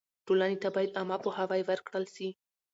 ټولنې ته باید عامه پوهاوی ورکړل سي.